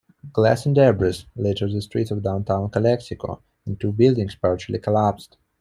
Glass and debris littered the streets of downtown Calexico and two buildings partially collapsed.